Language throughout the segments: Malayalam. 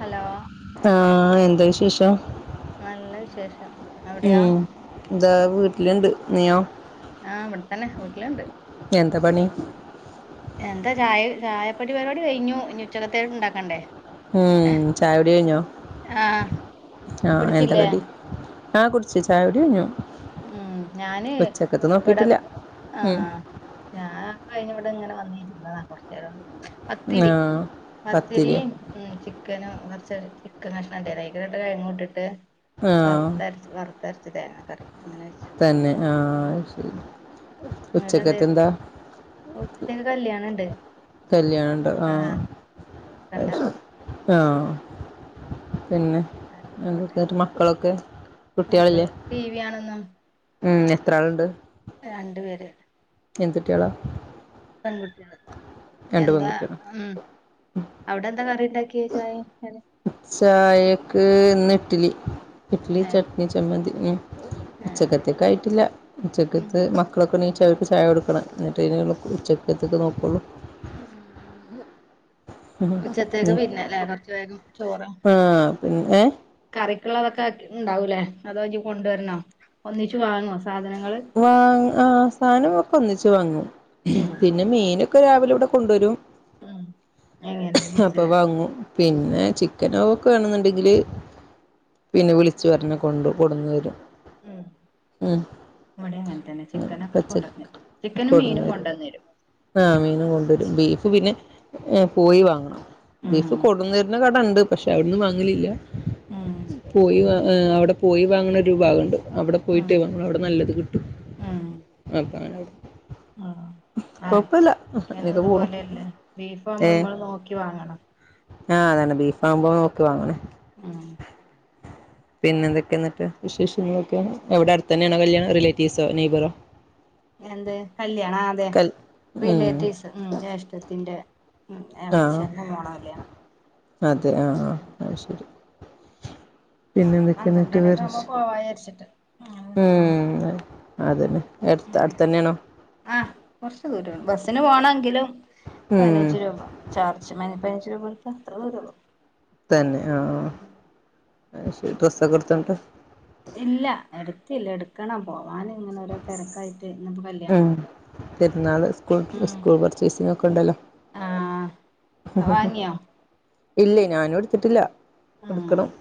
ഹലോ ആഹ് എന്താ വിശേഷം നല്ല വിശേഷം അവിടെയാ എന്താ വീട്ടിലുണ്ട് നീയോ ആഹ് ഇവിടത്തന്നെ വീട്ടിലുണ്ട് എന്താ പണി എന്താ ചായ ചായ പരിപാടി കഴിഞ്ഞു ഇനി ഉച്ചകത്തേക്ക് ഉണ്ടാക്കണ്ടേ ഉം ചായകുടി കഴിഞ്ഞോ ആഹ് ആ എന്ത പിടിച്ചില്ലേ കടി ആ കുടിച്ചു ചായകുടി കഴിഞ്ഞു ഉം ഞാന് ഉച്ചക്കത്തെ ഇവിടെ നോക്കിയിട്ടില്ല ആ ഉം ഞാൻ കഴിഞ്ഞ് ഇവി ഇവിടെ ഇങ്ങനെ വന്നിരുന്നതാ കുറച്ചുനേരം പത്തിരി ആഹ് പത്തിരിയോ പത്തിരിയും ഉം ചിക്കനും കൊറച്ച് ചിക്കൻ കഷ്ണണ്ട് [inaudible] ഇട്ടിട്ട് ആഹ് വർത്തരച്ച് വർത്തരച്ച് അ തേങ്ങാകറി തന്നെ ആഹ ശരി. ഉച്ചക്കത്തെ എന്താ [unintelligible] ഉച്ചക്ക് കല്യാണുണ്ട്. കല്യാണ ഉണ്ട് ആഹ ചോറൊക്കണ്ട ആഹ. പിന്നെ അങ്ങനെ പോട്ടെ എന്തൊക്കെ മക്കളൊക്കെ കുട്ടികളില്ലേ മക്കള് ടി വി കാണുന്നു. ഉം എത്ര ആളുണ്ട്. രണ്ടു പേര്. എന്ത് കുട്ടികളാ പെൺകുട്ടിയ, രണ്ട് എന്താ പെൺകുട്ടികളോ ഉ അവിടെ എന്താ കറിയിട്ടക്കിയ. ക്ക ചായ. [unintelligible] ചായക്ക് ഇന്ന് ഇഡ്ലി. ഇഡ്‌ലി ഏഹ് ചട്ട്ണി ചമ്മന്തി. ഉം ആഹ് ഉച്ചക്കത്തേക്ക് ആയിട്ടില്ല, ഉച്ചക്കത്ത് മക്കളൊക്കെ എണീ പണിക്കാർക്ക് ചായ കൊടുക്കണം. എന്നിട്ടിനിയുള്ളു ഉച്ചയ്ക്കത്തൊക്കെ നോക്കയുള്ളൂ. ഏഹ് ഉച്ചത്തേക്ക് പിന്നെല്ലേ, കുറച്ച വേഗം ചോറ് ആഹ് പിന്നെ ഏഹ് കറി. ള്ളതൊക്കെ ഉണ്ടാവൂലേ അതോ കൊണ്ടുവരണോ ഒന്നിച്ച് വാങ്ങോ? സാധനങ്ങള് ആഹ ആ സാനം. ഒന്നിച്ചു വാങ്ങും. ഉം പിന്നെ മീനും. ഒക്കെ രാവിലെ ഇവിടെ കൊണ്ടുവരും. ഉം എങ്ങനെ അപ്പൊ ഗുഡ്സില് വാങ്ങും പിന്നെ ചിക്കനോ ഒക്കെ വേണെന്നുണ്ടെങ്കില്, പിന്നെ വിളിച്ചു പറഞ്ഞ കൊണ്ട് കൊടന്ന് തരും. ഉം ഉം ഇവിടെ അങ്ങനെ തന്നെ ചിക്കനും ഒക്കെ പച്ച കൊണ്ടന്നരും ചിക്കനും കൊടുന്ന് മീനും തരും കൊണ്ടന്നരും ആഹ് മീനും കൊണ്ടുവരും ബീഫ് പിന്നെ പോയി വാങ്ങണം. ബീഫ് ഉം കൊണ്ടുതരുന്ന കട ഉണ്ട്. പക്ഷെ അവിടന്നും വാങ്ങലില്ല. ഉം പോയിവാ ഹ് അവടെ പോയി വാങ്ങണര് വാവ് ണ്ട് അവിടെ ഉം പോയിട്ട് അവിടെ നല്ലത് കിട് ആ [unintelligible] ആ ആ അങ്ങനൊക്കെ പോണു ച്ചിക്കനുതുപോലല്ലേ ബീഫ് ആവുമ്പോ ഏഹ് നമ്മള് നോക്കി വാങ്ങണം സംഭവം നോക്കി വാങ്ങണേ ആഹ് പിന്നെ എന്തൊക്കെയന്നെട്ട് വിശേഷങ്ങളൊക്കെയ എവിടെ അടുത്താണോ കല്യാണം റിലേറ്റീ തീസോ നൈപറോ? എന്ത് കല്യാണ അതെ ഉം റിലേറ്റീവ്സ് ഊം ജ്യേഷ്ഠത്തിന്റെ ഉം എളച്ചന്റെ മോളെ കല്യാണം അത് അതെ ആ ആ അത്‌ ശരി പിന്നെ അ എന്തൊക്കെയ എന്നിട്ട് പന്ത്രണ്ടരക്കെ വേറെ ആകുമ്പോ വിശേ പോവാ വിചാരിച്ചിട്ട് ആ [unintelligible] ഉം അതന്നെ ആ.. എടുത്ത് അടുത്തന്നെയാണോ ആ കൊറച്ച ദൂരള്ളൂ ബസിന് പോവാണെങ്കിൽ ഉം പതിനഞ്ച് രൂപ ചാർജ് [unintelligible] ഇവിടുത്തെ അത്ര ദൂരോള്ളൂ തന്നെ ആ.. ആ അത് ശരി ഡ്രസ്സൊക്കെ എടുത്തു ഇല്ല എടുത്തില്ല എടുക്കണം പോവാന ഇങ്ങനെ ഓരോതെരക്കായി ഉം പെരുന്നാള് സ്കൂൾ ഉം സ്കൂൾ പർച്ചേസിങ് ഒക്കെ ഉണ്ടല്ലോ ആഹ് വാങ്ങിയോ ഇല്ലേ ഞാനും എടുത്തിട്ടില്ലാ എടുക്കണം ഉം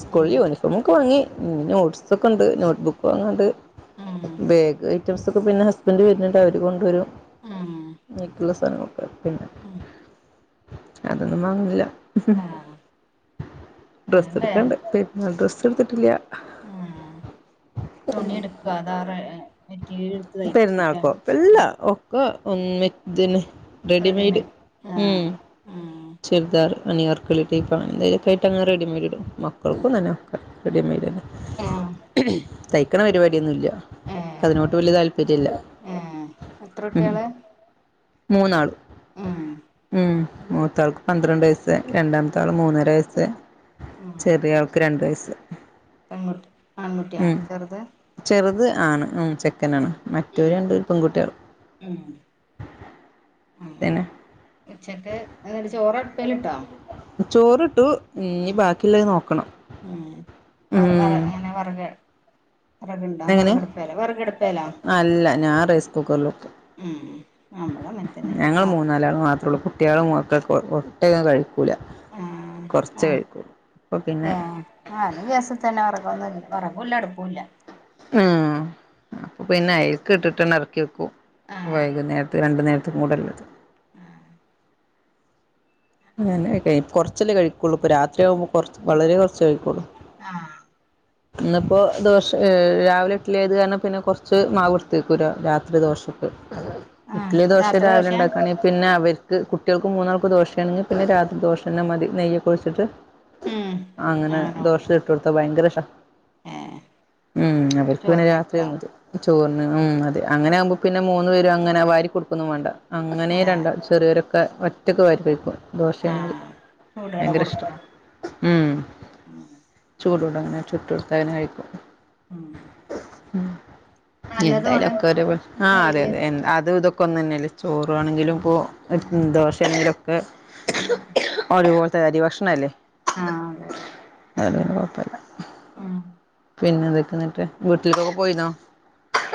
സ്കൂൾ ഉം യൂണിഫോം ഒക്കെ വാങ്ങി നോട്സ് ഒക്കെ ഉണ്ട് നോട്ട് ബുക്ക് വാങ്ങാൻ ഉണ്ട് ഉം ബാഗ് എ ഡ്രസ്സ് ഒക്കെ പിന്നെ ഹസ്ബൻഡ് വരുന്നുണ്ട് അവര് കൊണ്ടുവരും ഉം നെയ്ക്ക്ഉള്ള സ് പെങ്ങള് [inaudible] പിന്നെ ഉം അതൊന്നും വാങ്ങുന്നില്ലാ ഉം.. ആഹ് ഡ്രസ്സ് എടുക്കണ്ട പെരുന്നാൾ ഡ്രസ്സ് ഡ്രസ്സ്എടുത്തിട്ടില്ലാ.. ഉ തുണി എടുക്കുവാ അതാ മെറ്റീരിയൽ എടുത്ത് പെരുന്നാൾ തയ്പ്പിക്ക ക്കോല്ല ആഹ് ഒക്ക ഒന്ന് ഇതിന് [unintelligible] റെഡിമയ്ഡ് ആ ഉം ചിർദാർ അനിയാർക്കിളി ടൈപ്പാണ് കൈട്ട്ങ്ങ റെഡിമേയ്ഡ് ഇും മക്കൾക്കും തന്നെ റെഡമേയ്ഡ് തന്നെ ആഹ് [inaudible] തയ്ക്കണ പരിപാടിയന്നുല്ല ഏഹ് അതിനോട്ട് വല്യ താല്പര്യല്ല ഏഹ് എത്ര ഉം കുട്ടികള് മൂന്നാള് ഉം ഉം [inaudible] ഒ രാൾക്ക് പന്ത്രണ്ട് വയസ്സ് രണ്ടാമത്തെ ആള് മൂന്നര വയസ്സ്- ഉം ചെറയാ ആൾക്ക് രണ്ട വയസ് [inaudible] പെൺകുട്ടി ആൺകുട്ടിയാ ചെറുത് ചെറുത് ആണ് ഉം ചെക്കൻ ആണ് മറ്റവര് ഉം രണ്ട് പെൺകുട്ടികൾ ഉം പി ന്നെ ച്ചട്ട് എന്നി ട്ട് ചോറടുപ്പേലിട്ടോ ചോറിട്ടു ഇ നി ബാക്കിയുള്ളത് നോക്കണം വ പറ ഉം ങ്ങനെ പറ വിറകുണ്ടോ എങ്ങനെ വിറകെടുപ്പല വിറകടുപ്പലാ അല്ല ഞാൻ റൈസ് കുക്കറിൽ വെക്കും ഉ ആമ്മള് അങ്ങനെ തന്നെ വ ആഹ് [unintelligible] കുറച്ച് ആഹ് കഴിക്കൂ അപ്പൊ പിന്നെ ഏഹ് ഒല്ല അടപ്പല്ല ഉം അപ്പൊ പിന്നെ അയക്ക് ഇട്ടിട്ട്ന്നെ ഇറക്കി വെക്കും വൈകുന്നേരത്തെ രണ്ടു നേരത്തെ പോർത്ത് കൂട് ഉള്ളത് [unintelligible] ആ അങ്ങനെ കുറച്ചല്ലേ കഴിക്കുള്ളൂ ഇപ്പ രാത്രി ആകുമ്പോ കൊറ വളരെ കുറച്ച് കഴിക്കുള്ളൂ ആ ഇന്നിപ്പോ ദോശ രാവിലെ ഇട്ടിലിയത് കാരണം പിന്നെ കൊറച്ച് മാവ്ടുത്തി വെക്കുംരാത്രി ദോശക്ക് ആഹ് ഇഡലി ദോശ രാത്രി രാവിലെ ഉണ്ടാക്കുകയാണെങ്ക പിന്നെ അവര് കുട്ടികൾക്ക് മൂന്നാൾക്ക് ദോശയാണെങ്കിൽ പിന്നെ രാത്രി ദോശന്ന മതി നെയ്യൊക്കെ ഒ ഴിച്ചിട്ട് ഉം അങ്ങനെ ദോശ ചുട്ടു കൊടുത്ത ഭയങ്കര ഏഹ് ഉം അവർക്ക് പിന്നെ രാത്രി [unintelligible] ചോറിനൊക്കെ ഉം അതെ അങ്ങനെ ആകുമ്പോ പിന്നെ മൂന്നു പേര് അങ്ങനെ വാരി കൊടുക്കൊന്നും വേണ്ട അങ്ങനെ ഏഹ് രണ്ട് ചെറിയൊരു ഒ ഒറ്റൊക്ക് വാരി തേക്കുവാ ദോശയാണെങ്കിൽ ആഹ് ചൂടോടെ ഭയങ്കര ഇഷ്ടം കൊടുക്കണോ മം ഉം ചൂടു അങ്ങനെ ചുട്ടുടുത്ത് അങ്ങനെ കഴിക്കും ആ ഉം എന്തായാലും ഒക്കെ ഒരു ആ അതെ നെയ്യ് അതെ അത് ഇതും [unintelligible] ചോറു ആണെങ്കിലും ആഹ് ഇപ്പോ ആഹ് ദോശയാണെങ്കിലും [unintelligible] [inaudible] ഒരു പോലത്തെ അരി ഭക്ഷണം അല്ലേ ആഹ് [unintelligible] കുഴപ്പമില്ല ആ പിന്നെ എന്തൊക്ക എന്നിട്ട് വീട്ടിലേക്കൊക്കെ പോയിന്നോ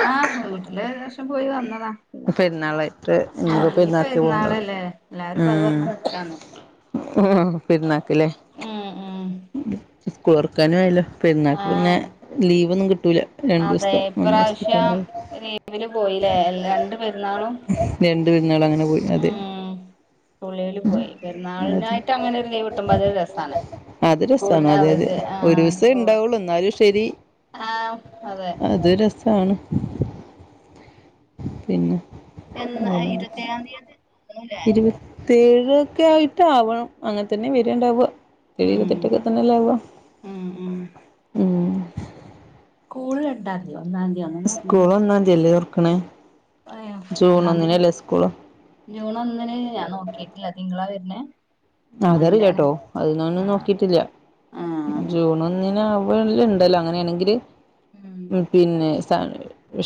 ആ വീട്ടില് [unintelligible] പോയി വന്നതാ പിന്നെ പോയിട്ടില്ല പെരുന്നാളായിട്ട് ഉം ഇനി പെരുന്നാക്കി പോവണ്ടള്ളു പെരുന്നാളല്ലേ എല്ലാരും ഇപ്പ അത് പറഞ്ഞ് നിക്കാന്ന് മം പെരുന്നാക്കല്ലേ ഉം ഉം സ്കൂള് തുറക്കാനായല്ലോ പെരുന്നാൾക്ക് പിന്നെ ആഹ് ലീവൊന്നും കിട്ടൂല രണ്ടു അതെ ദിവസത്തെ മൂന്ന് ദിവസത്തൊക്കെ ഇപ്രാവശ്യം ലീവില് പോയില്ലേ രണ്ട് പെരുന്നാളും [inaudible] അങ്ങനെ പോയി അത് സ്കൂളിൽ പോയി പെരുന്നാളിനായിട്ട് അങ്ങനെ ഒരു ലീവ് കിട്ടുമ്പോ അതൊരു രസാണ് അത് രസമാണ് അതെ അതെ സ്കൂളിനവധി ആ ഒരു ദിവസമേ സ്കൂൾ ഉണ്ടാവുള്ളൂ എന്നാലും ശരി ആ അതെ ആണ് പിന്നെ എന്നാ ഇരുബത്തേഴാം തിയ്യതി ഇരുപത് [unintelligible] ആയിട്ട് ആവണം അങ്ങനെ തന്നെ വരണ്ടാവുക ചെറിയ ഉം തെറ്റൊക്കെ തന്നെയല്ലേ ഉള്ളു ഉം ഉം ഉം [unintelligible] രണ്ടാതീയോ സ്കൂൾ ഒന്നാം തീയതി അല്ലേ [unintelligible] ആ ജൂൺ ഒന്നിിനന് ഞാൻ നോക്കിട്ടില്ല തിങ്കള എന്ന അതറില്ലട്ടോ അതന്നൊന്നും നോക്കിട്ടില്ല ആഹ് ജൂൺ ഒന്നിനാകും അല്ല ഉണ്ടല്ലോ അങ്ങനെയാണെങ്കില് ഉം ഉ പിന്നെ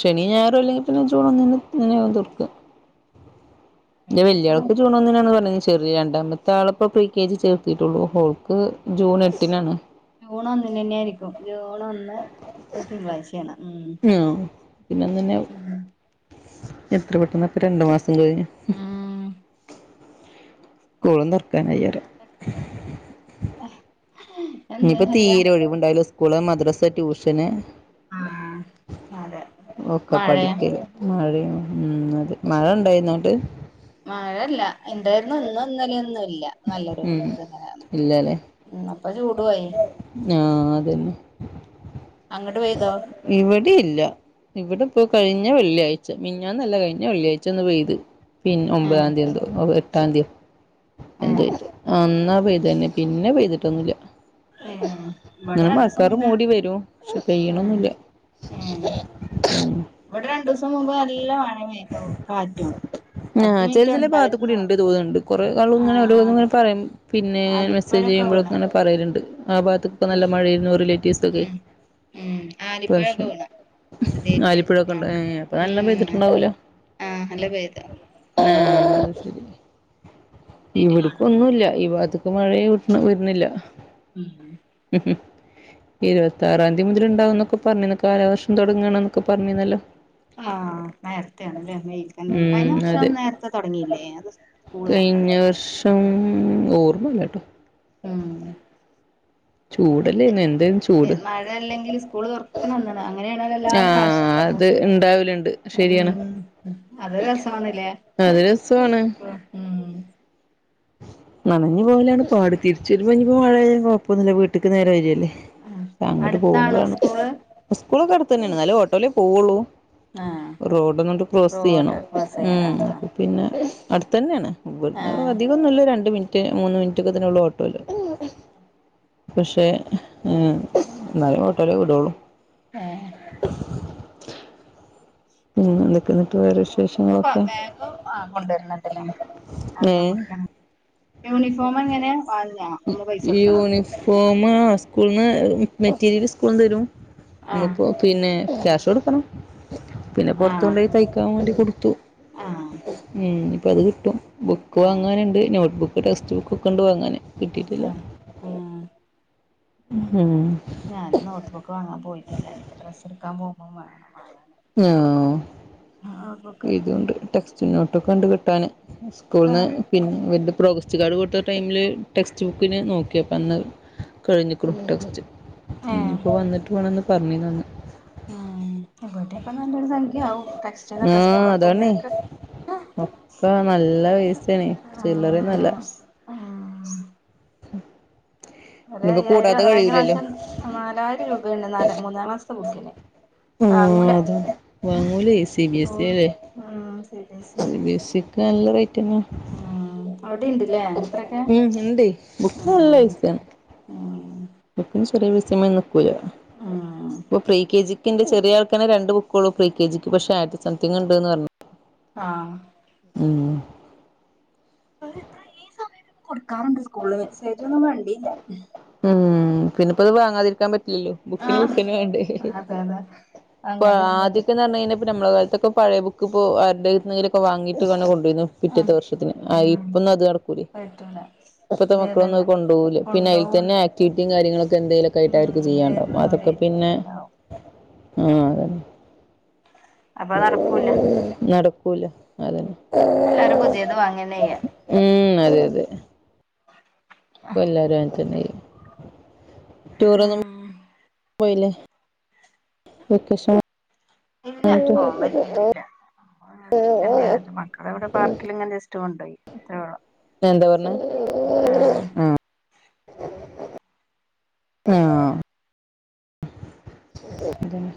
ശനി ഞായറും അല്ലെങ്കിൽ പിന്നെ ജൂൺ ഒന്നിനാകും തുറക്ക ഈ എന്റെ മാസം വെല്യോൾക്ക് ജൂൺ മുപ്പത് ഒന്നിനാണന്നു പറഞ്ഞീനിം ചെറോ റിയണ്ട താള ഇപ്പ പ്രീ കെ ജി ചേർത്തിട്ടുള്ളൂ ഹോൾക്ക് ജൂൺ എട്ടിനാണ് ജൂൺഒന്നിന്നെ ആയിരിക്കും ജൂൺ ഒന്ന് അന്ന് തിങ്കളാഴ്ചയാണ് ഉം ആഹ പിന്നെ തന്നെ എത്ര പെട്ടെന്നാ അപ്പൊ രണ്ടു മാസം അതെ ഉം കോളധർ ക്കാനായിറ് പെട്ടെന്ന് ഇനിയിപ്പോ എന്തേല്ല തീരെ ഒഴിവുണ്ടായാലോ കുളം മദ്രാസ് ട്യൂഷന് ആഹ് അതെ ഒക്കെ മഴയാ പഠിക്ക മഴ ഉം അത മഴ ഉണ്ടായി ഇന്നോട്ട് മഴല്ല എന്തായിരുന്നു ഒന്നും ഒന്നല്ല ഒന്ന ഇല്ല നല്ലൊരു ഇ ആഹ അതന്നെ അങ്ങട്ട് പെയ്തോ ഇവിടെ ഇല്ല ഇവിടെ ഇപ്പൊ കഴിഞ്ഞ വെള്ളിയാഴ്ച മിഞ്ഞാന്നല്ല കഴിഞ്ഞ വെള്ളിയാഴ്ച ഒന്ന് പെയ്ത് പിന്ന ഒമ്പതാം ഏഹ് തീയതി. ഉട്ടദ്യ എന്ത് ഏഹ് എന്നാ പെയ്ത് തന്നെ പിന്നെ പെയ്തിട്ടൊന്നുമില്ല ഏ ഇവിടെ ഇങ്ങനെ രണ്ടു ദിവസം മഴക്കാറ് മുന്നേ മൂടി വരും പക്ഷെ ഏ പെയ്യണൊന്നുമില്ല ഏ ഇവിടെ രണ്ടു ദിവസം മുമ്പ് നല്ല മഴപെയ്തു കാറ്റും പത്ത് മിനിറ്റ് ഉണ്ടായിരുന്നു മാത്രം കുറെേ ആളും ഇങ്ങനെ ഓരോന്ന് ഇങ്ങനെ പറയല് പിന്നെ മെസ്സേജ് ആലിപ്പഴൊക്കെ വീണ് ചെയ്യുമ്പോഴക്കെ ആ ഭാഗത്ത് ഇപ്പ നല്ല മഴയരുന്നു റിലേറ്റീവ്സൊക്കെ ഉം ഉം പക്ഷേ ആലിപ്പഴൊക്കെ വീണ് അതേറ്റ് ആഹ് ആലിപ്പഴവൊക്കെണ്ടോ അപ്പൊ നല്ല ഉം പെയ്തിട്ടൊണ്ടാവുമല്ലോ? ആഹ് നല്ല പെയ്ത് ആഹ് ശരി ഇവിടക്കൊന്നുല്ല ഇവ അത്രക്കും മഴയും വരുന്നില്ല. ഇം മ്മ് ഇരുപത്തി ആറാം തീയതി മുതൽണ്ടാവുംന്നൊക്കെ പറഞ്ഞിന്ന കാലാവർഷം തുടങ്ങണന്നൊക്കെ പറഞ്ഞിന്നല്ലോ ആഹ നേരത്തെ ആണല്ലേ വെന്ന കഴിഞ്ഞ ഉം അതെ വർഷം നേരത്തെ തുടങ്ങിയില്ലേ അത് സ്കൂള് തുറന്നരെ ഇം ഓർമില്ലാടോ മ്മ് ചൂടല്ലേ ഇന്ന് മഴ അല്ലെങ്കിൽ സ്കൂൾ തുറക്കണ അന്ന്ണ് അങ്ങനെയ ആഹ് അത് ഇണ്ടാവലുണ്ട് [unintelligible] ഇം ശരിയാണ് അത് ഒരു രസണല്ലേ അത് രസമാണ് നനഞ്ഞു പോലാണ് പാട് തിരിച്ചൂവരുമ്പോഞ്ഞപ്പം മഞ്ഞപ്പോ മഴയ കൊഴപ്പൊന്നില്ല വീട്ടിക്ക് നേരം വരുംല്ലേ ആഹ് പ അങ്ങോട്ട് അടുത്താണോ പോകുമ്പോഴാണ് സ്കൂള് സ്കൂളൊക്കെ അടുത്ത് തന്നെയാണ് എന്നാലും ഓട്ടോയിലെ പോവുള്ളൂ ആഹ് റോഡ്ന്നോട്ട് ക്രോസ് ചെയ്യണം റോഡ് ക്രോസെയ്യാൻ ആഹ് മു പിന്നെ അടുത്തന്നെയാണ് ആഹ് [unintelligible] രണ്ട് മിനിറ്റ് മൂന്ന് മിനിറ്റ് ഒക്കെ തന്നെ ഉള്ളൂ ഓട്ടോൽ പക്ഷേ ഏ എന്നാല്ലും ഓട്ടോലെ വിടള്ളു ആ ഉം അ നോട്ട് ബുക്ക് ബാഗ് ആ കൊണ്ടുവരണതെല്ല വാട്ടർ ഏഹ് ബോട്ടിൽ യൂണിഫോം എങ്ങനെ വാ യൂണിഫോമ് സ്കൂൾന്ന് മെറ്റീരിയൽ സ്കൂളിന്ന് തരും ആഹ് മുപ്പോ പിന്നെ ക്യാഷ് കൊടുക്കണം പിന്നെ ആഹ് പുറത്തുണ്ട തയ്ക്കാൻ വേണ്ടി കൊടു തു ആഹ് ഉം ഇപ്പം അത് കിട്ടും ബുക്ക് ആഹ് വാങ്ങാനുണ്ട് നോട്ട്ബുക്ക് ഒരു ടെക്സ്റ്റ് ബുക്കെ ഉണ്ട് അങ്ങനെ കിട്ടീട്ടില്ല ആഹ് ഹും ഞാൻ നോട്ട് ബുക്ക് വാങ്ങാൻ പോയിട്ടില്ല എനിപ്പ ഡ്രസ്സ് എടുക്കാൻ പോകുമ്പോം വേണം ഞാവു നോട്ട്ബുക്ക് ഇതൊണ്ട് [unintelligible] ചുന്നോട്ടുക്ക്‌ണ്ട് കിട്ടാാന് സ്കൂൾന്ന് ആഹ് പിൻ [unintelligible] പ്രോഗസ് ച്കാട് കൊടുത്ത ടൈമില് ടെക്സ്റ്റ് ബുക്കിന് നോക്കിയപ്പം അന്ന് കഴിഞ്ഞിക്കുണ് ടെക്സ്റ്റ് ഏഹ് ഇഞ്ഞിപ്പ വന്നിട്ട് വേണംന്ന് പർണീന്നന്ന് ഉം ബർടേക്കന്ന് നല്ലൊരു സംഖ്യ ആവും ആ ടെക്സ്റ്റൈലൊക്കെ സ്കൂൾ അതാണ് തുറക്കുമ്പോഴേക്ക് ഒക്ക നല്ല പൈസേണ് ചില്ലറയൊന്നുഅല്ല ആഹ് ഉം ഒര അയ്യായിരം കഴിഞ്ഞ റാശ്യം നാലായിരം രൂപയുണ്ട് നാല മൂന്നാം ക്ലാസ്ത്തെ ബുക്കിന്. ആ വാങ്ങൂല അതെ വാങ്ങൂലേ സി സ്കൂള് ബിഎസില്ലേ ഉം C B S E C BS സി ക്ക് നല്ല റൈറ്റന്ന ഉം അവിടെ ഇണ്ട്ല്ലേ ഇത്രയൊക്കെ ഉ ഇൻഡ് ബുക്ക് ഉം നല്ല [unintelligible] ഉം എത്ര ചെറിയ [unintelligible] [unintelligible] ഉം പ്പം ഫ്രീ കെ ജി ക്കിന്റെ ചെറിയ ആൾക്കന്നെ രണ്ട് ബുക്കൊള്ളൂ ഫ്രീ കെ ജിക്ക് പക്ഷെ ആയിര്ത്തി സംതിങ്ങ്ണ്ട്ന്ന് പർഞ്ഞു ആഹ് ഉം [unintelligible] സമയത്ത്ക്ക്‌ കൊടു [unintelligible] [unintelligible] ഉം പിന്നെപ്പത് വാങ്ങാതിരിക്കാൻ പറ്റ് യ്യോ ബുക്കന് ആഹ് ബുക്കന്നെ വേണ്ടേ അതെ അതെ ഇപ്പോ അങ്ങനത്തെ ആദ്യത്തെ പറഞ്ഞ കഴിഞ്ഞ നമ്മളെ കാലത്തൊക്കെ പഴയ ബുക്ക് ഇപ്പോ ആരുടെ എട്ത്ത്ന്നെങ്കിലും വാങ്ങീട്ട് ങ്ങനെകൊടുക്കും [unintelligible] ഉം പിറ്റേത്ത വർഷത്തിന് ആ ഉം ഇപ്പൊന്നും അത് നടക്കൂലേ പറ്റൂല ഇപ്പത്തെ അതേ മക്കളൊന്നും അത് തന്നെ കൊണ്ടുലെ പിന്നെ പിന്നെ കൊണ്ടോവൂല്ല ആക്ടിവിറ്റിം കാര്യങ്ങളൊക്കെ എന്തേലൊക്കെ ആയിട്ടായിരിക്കും ഉം ചെയ്യണ്ടാ വരുന്നതോടെ അതൊക്കെപ്പിന്നെ എഴുതിയിട്ടുണ്ടാവും ആ അതന്നെ അപ്പൊ നടക്കുല്ല പുല്ല അതന്നെ എല്ലാരും പുതിയത് വാങ്ങനെയ ഇപ്പൊ എല്ലാരും അങ്ങനെ തന്നെ ആയി ഉം. പോയില്ലേ? വെക്കേഷ ഇല്ല പോകാൻ പറ്റിയിട്ടില്ല തെയതെ മക്കളവിടെ പാർക്കില ഇങ്ങ റ്റൊകൊണ്ടോയി ഇത്രയൊള്ളു എന്താ പറഞ്ഞ ആ ആഹ അതന്നെ